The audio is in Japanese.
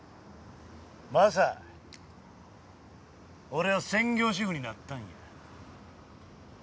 俺は専業主夫になったんや。